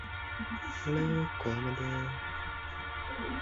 It topped the Italian singles chart in its second week of release.